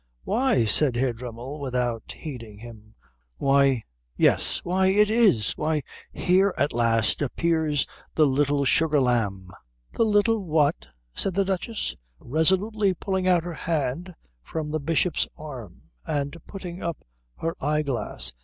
"Why," said Herr Dremmel without heeding him, "why yes why it is why, here at last appears the Little Sugar Lamb!" "The little what?" said the Duchess, resolutely pulling out her hand from the Bishop's arm and putting up her eyeglass.